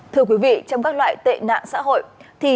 thưa quý vị trong các loại tệ nạn xã hội